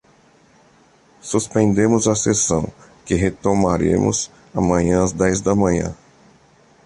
Suspendemos a sessão, que retomaremos amanhã às dez da manhã.